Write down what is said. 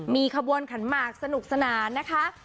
มีขบวนขันหมากสนุกสนานนะคะ